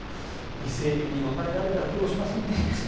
理性的に別れられたら苦労しませんね。